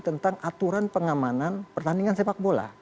tentang aturan pengamanan pertandingan sepak bola